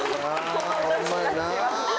ホンマやな。